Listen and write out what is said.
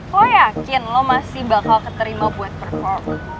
gue yakin lo masih bakal keterima buat perform